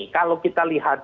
kalau kita lihat